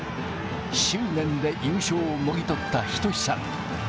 執念で優勝をもぎ取った仁さん。